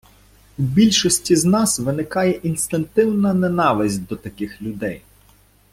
У більшості з нас виникає інстинктивна ненависть до таких людей.